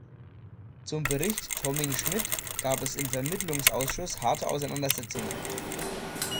Zum Bericht Thoming-Schmidt gab es im Vermittlungsausschuss harte Auseinandersetzungen.